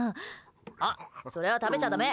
あ、それは食べちゃだめ。